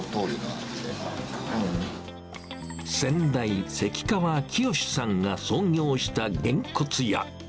先代、関川清さんが創業したげんこつ屋。